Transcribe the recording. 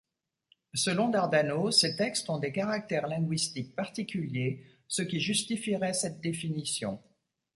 Selon Dardano, ces textes ont des caractères linguistiques particuliers, ce qui justifierait cette définition.